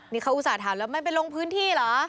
นี่เขาอุตส่าห์ถามแล้วไม่ไปลงพื้นที่เหรอ